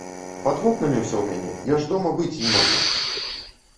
Пад вокнамі ўсё у мяне, я ж дома быць не магу!